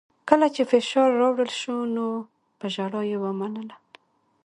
کله چې فشار راوړل شو نو په ژړا یې ومنله